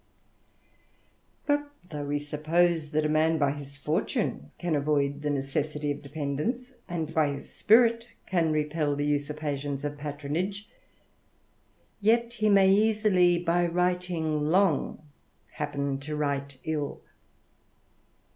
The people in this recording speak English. But, though we suppose that a man by his fortune caa avoid the necessity of dependence, and by his spirit can. repel the usurpations of patronage, yet he may easily, by writing long, happen to write ill.